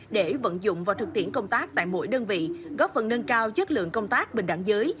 để vận dụng vào thực tiễn công tác tại mỗi đơn vị góp phần nâng cao chất lượng công tác bình đẳng giới